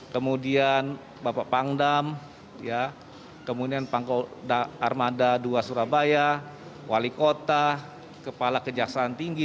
kemudian bapak pangdam kemudian armada dua surabaya wali kota kepala kejaksaan tinggi